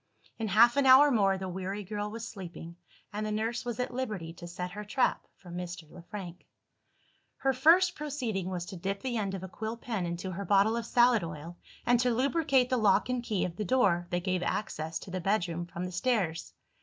In half an hour more, the weary girl was sleeping, and the nurse was at liberty to set her trap for Mr. Le Frank. Her first proceeding was to dip the end of a quill pen into her bottle of salad oil, and to lubricate the lock and key of the door that gave access to the bedroom from the stairs.